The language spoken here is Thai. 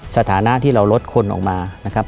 สถานะที่เราลดคนออกมานะครับ